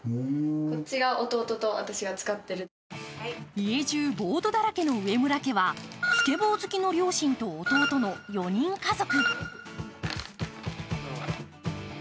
家じゅう、ボードだらけの上村家はスケボー好きの両親と弟の４人家族。